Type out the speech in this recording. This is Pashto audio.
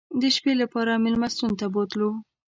د شپې لپاره مېلمستون ته بوتلو.